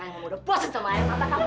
kamu sudah puas setelah ayah mata kamu